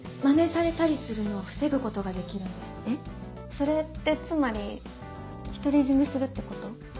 それってつまり独り占めするってこと？